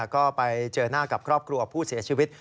ก็ไปเจอหน้ากับครอบครัวผู้เสียชีวิต